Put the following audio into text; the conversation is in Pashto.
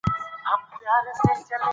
ملالۍ بیرغ نیولی وو.